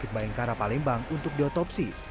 kedua orang yang kira palembang untuk diotopsi